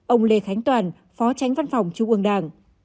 ông lê khánh toàn phó tránh văn phòng trung ương đảng